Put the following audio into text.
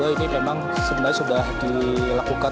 ini memang sebenarnya sudah dilakukan